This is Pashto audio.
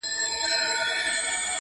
پلار یې راوستئ عسکرو سم په منډه,